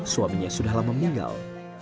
suaminya sudah lama meninggal